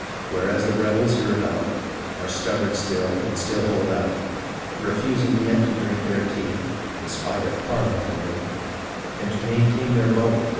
Whereas the rebels, hereabout, Are stubborn still and still hold out ; Refusing yet to drink their tea, In spite of Parliament and me; And to maintain their bubble.